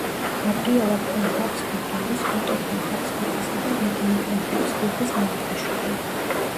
გაბრიელა ფონ ჰაბსბურგი არის ოტო ფონ ჰაბსბურგისა და რეგინა ფონ ჰაბსბურგის მეოთხე შვილი.